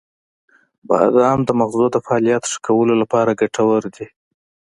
• بادام د مغزو د فعالیت ښه کولو لپاره ګټور دی.